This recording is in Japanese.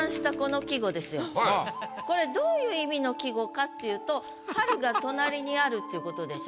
これどういう意味の季語かっていうと春が隣にあるっていう事でしょ？